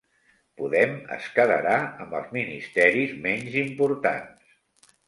Podem es quedarà amb els ministeris menys importants